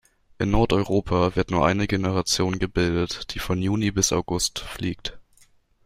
In Nordeuropa wird nur eine Generation gebildet, die von Juni bis August fliegt.